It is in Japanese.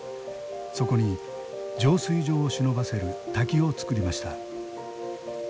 そこに浄水場をしのばせる滝を作りました。